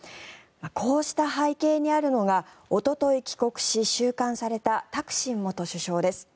こうした背景にあるのがおととい帰国し、収監されたタクシン元首相です。